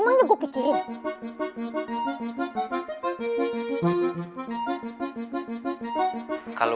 emangnya gua pikirin emangnya gua pikirin